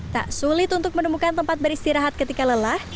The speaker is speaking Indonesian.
tak sulit untuk menemukan tempat beristirahat ketika lelah